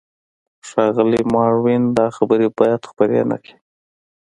ښاغلی ماروین، دا خبرې باید خپرې نه کړې.